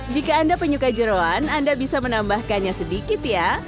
jika anda penyuka jerawan anda bisa menambahkannya sedikit ya